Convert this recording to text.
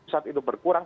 saat itu berkurang